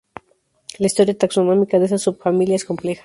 La historia taxonómica de esta subfamilia es compleja.